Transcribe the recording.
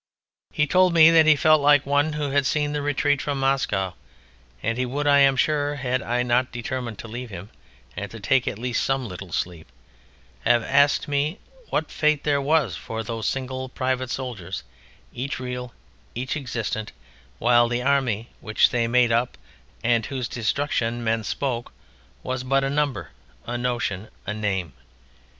He told me that he felt like one who had seen the retreat from Moscow, and he would, I am sure, had I not determined to leave him and to take at least some little sleep, have asked me what fate there was for those single private soldiers, each real, each existent, while the Army which they made up and of whose "destruction" men spoke, was but a number, a notion, a name.